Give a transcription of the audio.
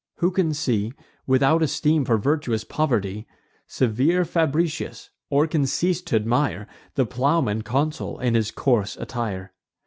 Who can see Without esteem for virtuous poverty, Severe Fabricius, or can cease t' admire The plowman consul in his coarse attire?